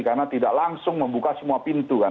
karena tidak langsung membuka semua pintu kan